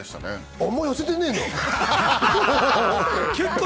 あんまりやせてねえな。